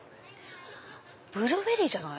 ブルーベリーじゃない？